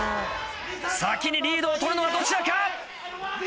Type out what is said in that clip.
先にリードを取るのはどちらか？